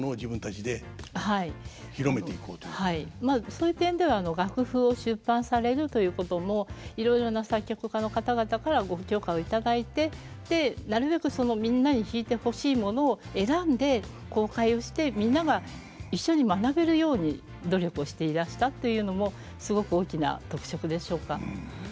まあそういう点では楽譜を出版されるということもいろいろな作曲家の方々からご許可を頂いてなるべくみんなに弾いてほしいものを選んで公開をしてみんなが一緒に学べるように努力をしていらしたというのもすごく大きな特色でしょうか。